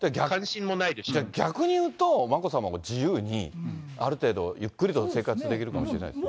じゃあ、逆に言うと、眞子さまは自由に、ある程度、ゆっくりと生活できるかもしれないですね。